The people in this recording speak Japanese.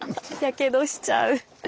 やけどしちゃう。